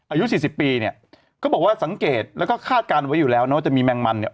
อายุสี่สิบปีเนี่ยก็บอกว่าสังเกตแล้วก็คาดการณ์ไว้อยู่แล้วนะว่าจะมีแมงมันเนี่ย